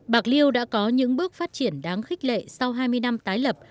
bạc liêu đã có những bước phát triển đáng khích lệ sau hai mươi năm tái lập